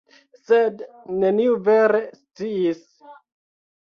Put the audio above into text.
Sed neniu vere sciis.